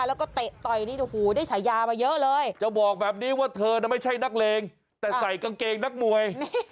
แล้วก็เตะต่อยนี่โอ้โฮได้ฉายามาเยอะเลย